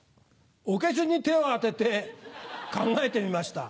おケツに手を当てて考えてみました。